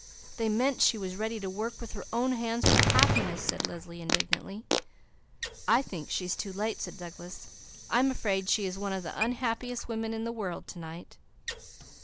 "They meant she was ready to work with her own hands for happiness," said Leslie indignantly. "I think she's too late!" said Douglas. "I am afraid she is one of the unhappiest women in the world to night!"